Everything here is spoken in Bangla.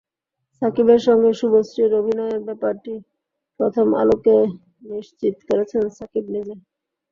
শাকিবের সঙ্গে শুভশ্রীর অভিনয়ের ব্যাপারটি প্রথম আলোকে নিশ্চিত করেছেন শাকিব নিজে।